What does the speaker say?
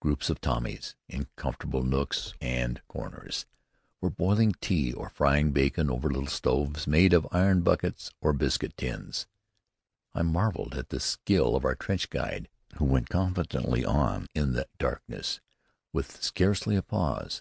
Groups of Tommies, in comfortable nooks and corners, were boiling tea or frying bacon over little stoves made of old iron buckets or biscuit tins. I marveled at the skill of our trench guide who went confidently on in the darkness, with scarcely a pause.